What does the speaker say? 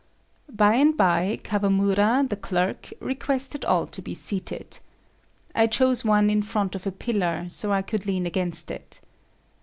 By and by, Kawamura, the clerk, requested all to be seated. I chose one in front of a pillar so I could lean against it.